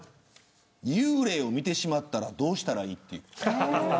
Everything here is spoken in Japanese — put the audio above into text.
幽霊を見てしまったらどうしたらいい。